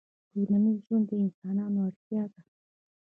ټولنیز ژوند د انسانانو اړتیا ده